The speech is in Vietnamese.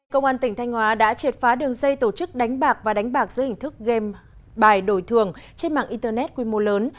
công an tỉnh thanh hóa đã triệt phá đường dây tổ chức đánh bạc và đánh bạc dưới hình thức game bài đổi thường trên mạng internet quy mô lớn